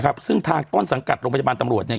ครับซึ่งทางต้นสังกัดโรงพยาบาลตำรวจเนี้ย